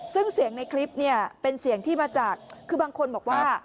ซึ่งเสียงในคลิปเนี่ยเป็นเสียงที่มาจากคือบางคนบอกว่า